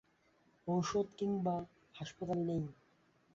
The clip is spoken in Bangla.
ঔষুধ কিংবা হাসপাতাল নেই।